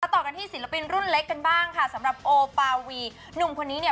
ต่อกันที่ศิลปินรุ่นเล็กกันบ้างค่ะสำหรับโอปาวีหนุ่มคนนี้เนี่ย